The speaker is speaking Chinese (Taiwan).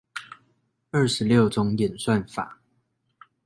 二十六種演算法